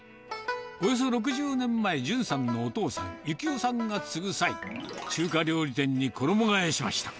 およそ６０年前、淳さんのお父さん、幸夫さんが継ぐ際、中華料理店に衣がえしました。